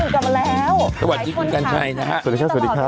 กลับมาแล้วสวัสดีคุณกัญชัยนะฮะสวัสดีครับสวัสดีครับ